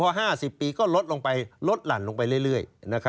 พอ๕๐ปีก็ลดลงไปลดหลั่นลงไปเรื่อย